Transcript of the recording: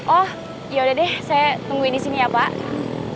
oh yaudah deh saya tungguin di sini ya pak